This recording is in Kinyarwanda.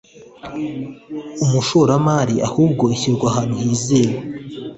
umushoramari ahubwo ishyirwa ahantu hizewe